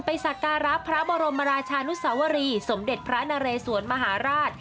สักการะพระบรมราชานุสวรีสมเด็จพระนเรสวนมหาราช